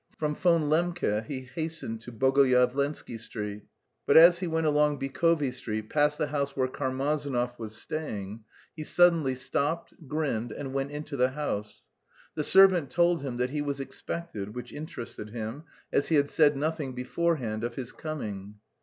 From Von Lembke he hastened to Bogoyavlensky Street, but as he went along Bykovy Street, past the house where Karmazinov was staying, he suddenly stopped, grinned, and went into the house. The servant told him that he was expected, which interested him, as he had said nothing beforehand of his coming.